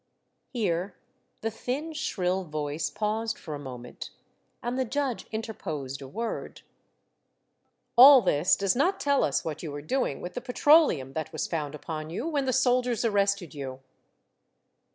Here the thin, shrill voice paused for a moment and the judge interposed a word, — 1 96 Mo7tday Tales, " All this does not tell us what you were doing with the petroleum that was found upon you when the soldiers arrested you."